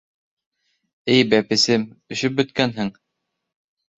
— Эй бәпесем, өшөп бөткәнһең.